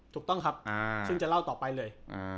ถูกต้องครับซึ่งจะเล่าต่อไปเลย